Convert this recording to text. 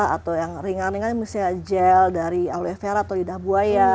atau yang ringan ringan misalnya gel dari alueferra atau lidah buaya